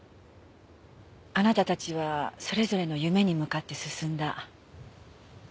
あなたたちはそれぞれの夢に向かって進んだ。